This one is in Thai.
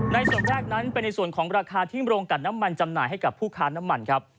ส่วนแรกนั้นเป็นในส่วนของราคาที่โรงกัดน้ำมันจำหน่ายให้กับผู้ค้าน้ำมันครับ